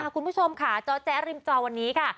คุณผู้ชมค่ะจอแจ๊ริมจอวันนี้ค่ะ